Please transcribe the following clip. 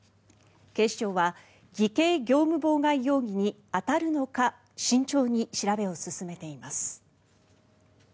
警視庁は偽計業務妨害容疑に当たるのか慎重に調べを進めています。